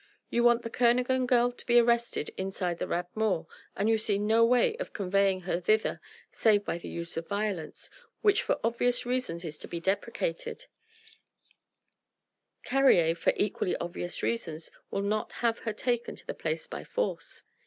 You want the Kernogan girl to be arrested inside the Rat Mort and you see no way of conveying her thither save by the use of violence, which for obvious reasons is to be deprecated: Carrier, for equally obvious reasons, will not have her taken to the place by force.